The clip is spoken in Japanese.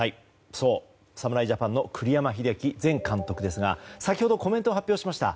そう、侍ジャパンの栗山英樹前監督ですが先ほどコメントを発表しました。